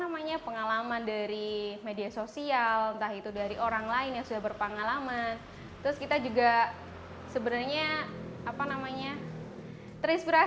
sampai saat ini mereka adalah mahasiswa yang baru lulus dan kesulitan untuk mencari pekerjaan